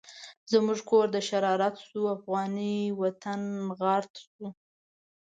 زموږ کور د شرارت شو، افغانی وطن غارت شو